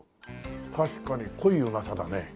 確かに濃いうまさだね。